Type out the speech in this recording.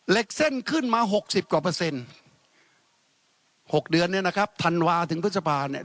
เส้นขึ้นมา๖๐กว่าเปอร์เซ็นต์๖เดือนเนี่ยนะครับธันวาถึงพฤษภาเนี่ย